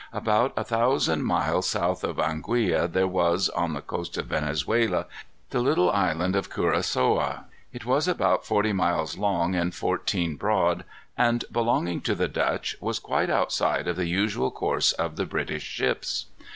About a thousand miles south of Anguilla, there was, on the coast of Venezuela, the little island of Curacoa. It was but about forty miles long, and fourteen broad, and, belonging to the Dutch, was quite outside of the usual course of the British ships.